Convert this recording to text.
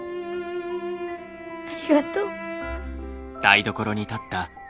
ありがとう。